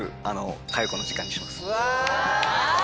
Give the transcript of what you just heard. うわ。